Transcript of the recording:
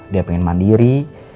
dia pengen mandiri